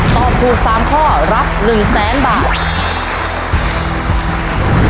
ตอบถูก๓ข้อรับ๑แสนบาท